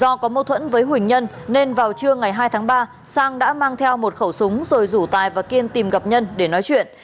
do có mâu thuẫn với huỳnh nhân nên vào trưa ngày hai tháng ba sang đã mang theo một khẩu súng rồi rủ tài và kiên tìm gặp nhân để nói chuyện